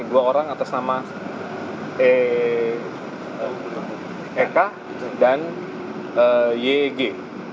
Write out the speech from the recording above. dua orang atas nama eka dan yg